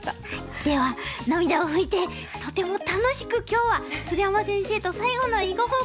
では涙を拭いてとても楽しく今日は鶴山先生と最後の「囲碁フォーカス」